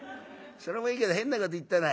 それもいいけど変なこと言ったな。